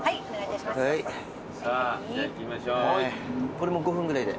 これも５分ぐらいで。